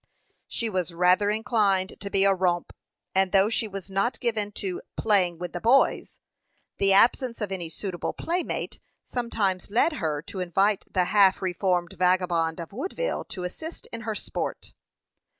She was rather inclined to be a romp; and though she was not given to "playing with the boys," the absence of any suitable playmate sometimes led her to invite the half reformed vagabond of Woodville to assist in her sport.